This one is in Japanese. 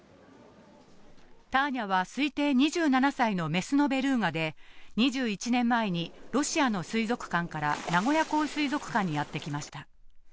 タアニャは、推定２７歳の雌のベルーガで２１年前にロシアの水族館から名古屋港水族館にやって来ました。